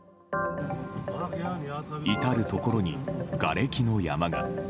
至るところに、がれきの山が。